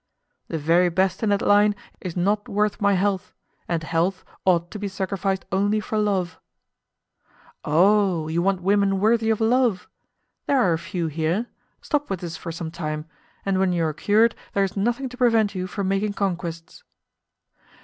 "The very best in that line is not worth my health, and health ought to be sacrificed only for love." "Oh! you want women worthy of love? There are a few here; stop with us for some time, and when you are cured there is nothing to prevent you from making conquests."